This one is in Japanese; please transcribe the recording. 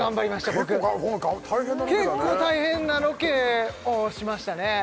僕結構大変なロケをしましたね